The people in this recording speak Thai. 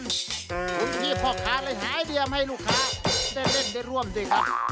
คุณพี่พ่อค้าเลยหายเรียมให้ลูกค้าได้เล่นได้ร่วมด้วยครับ